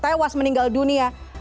mereka meninggal dunia